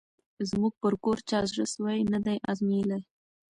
زموږ پر کور چا زړه سوی نه دی آزمییلی